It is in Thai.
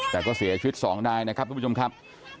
แต่ก็เสียชีวิต๒นายนะครับทุกผู้ชมครับ